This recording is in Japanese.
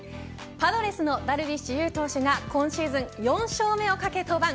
パドレスのダルビッシュ有投手が今シーズン４勝目を懸け登板。